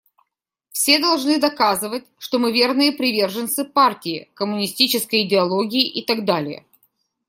Все должны доказывать, что мы верные приверженцы партии, коммунистической идеологии и так далее.